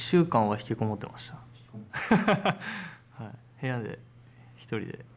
部屋で一人で。